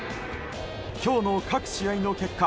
今日の各試合の結果